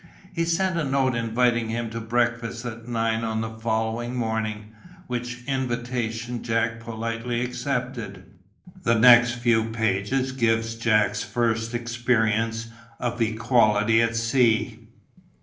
He sent a note inviting him to breakfast at nine on the following morning, which invitation Jack politely accepted. The next few pages give Jack's first experience of "equality" at sea.